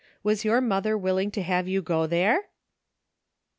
Was your mother willing to have you go there